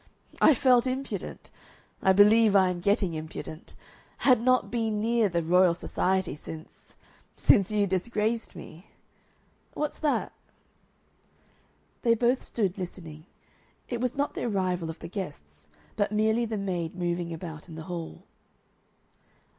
"I felt impudent. I believe I am getting impudent. I had not been near the Royal Society since since you disgraced me. What's that?" They both stood listening. It was not the arrival of the guests, but merely the maid moving about in the hall.